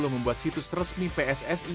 membuat situs resmi pssi